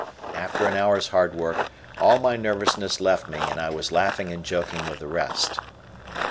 After an hour's hard work, all my nervousness left me, and I was laughing and joking with the rest.